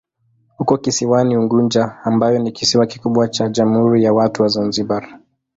Uko kisiwani Unguja ambayo ni kisiwa kikubwa cha Jamhuri ya Watu wa Zanzibar.